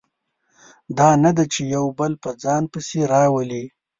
دا نه ده چې یو بل په ځان پسې راولي.